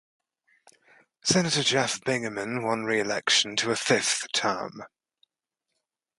Senator Jeff Bingaman won re-election to a fifth term.